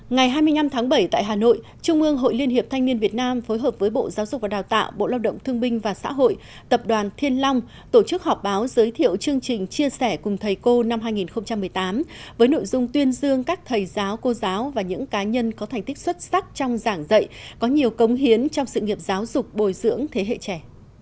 ngày hai mươi năm tháng bảy tại hà nội trung mương hội liên hiệp thanh niên việt nam phối hợp với bộ giáo dục và đào tạo bộ lao động thương binh và xã hội tập đoàn thiên long tổ chức họp báo giới thiệu chương trình chia sẻ cùng thầy cô năm hai nghìn một mươi tám với nội dung tuyên dương các thầy giáo cô giáo và những cá nhân có thành tích xuất sắc trong giảng dạy có nhiều công hiến trong sự nghiệp giáo dục bồi dưỡng thế hệ trẻ